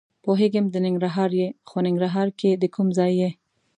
پوهېږم د ننګرهار یې؟ خو ننګرهار کې د کوم ځای یې؟